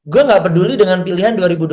gue gak peduli dengan pilihan dua ribu dua puluh